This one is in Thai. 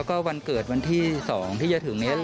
และก็มีการกินยาละลายริ่มเลือดแล้วก็ยาละลายขายมันมาเลยตลอดครับ